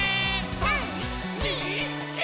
３、２、１。